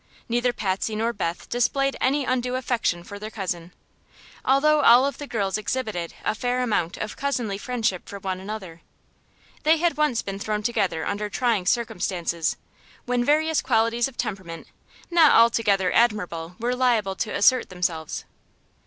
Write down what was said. Neither Patsy nor Beth displayed any undue affection for their cousin, although all of the girls exhibited a fair amount of cousinly friendship for one another. They had once been thrown together under trying circumstances, when various qualities of temperament not altogether admirable were liable to assert themselves.